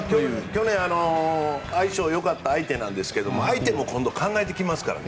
去年、相性が良かった相手なんですけど相手も今度、考えてきますから。